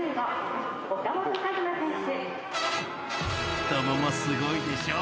［太ももすごいでしょ。